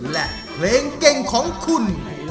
และเพลงเก่งของคุณ